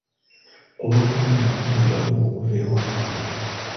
Ku Lwokuna nafuna ebbaluwa okuva ewa maama.